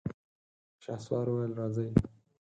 شهسوار وويل: راځئ!